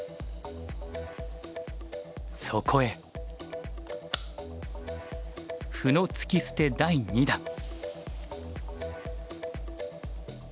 そこへ歩の突き捨て第２弾。